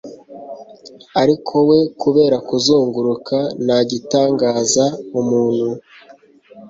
Ariko we kubera kuzunguruka ntagitangaza umuntu